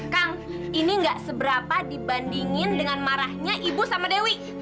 kang ini gak seberapa dibandingin dengan marahnya ibu sama dewi